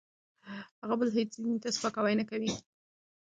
هغه بل هېڅ دین ته سپکاوی نه کوي.